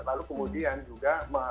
lalu kemudian juga